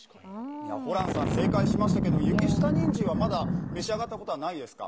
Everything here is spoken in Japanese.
ホランさん正解しましたけどまだ召し上がったことはないですか？